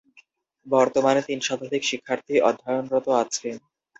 বর্তমানে তিন শতাধিক শিক্ষার্থী অধ্যয়নরত আছে।